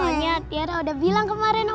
soalnya tiara udah bilang kemarin oma